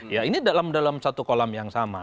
ya ini dalam satu kolam yang sama